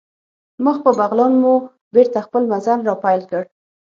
مخ په بغلان مو بېرته خپل مزل را پیل کړ.